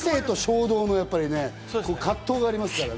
理性と衝動のね、葛藤がありますからね。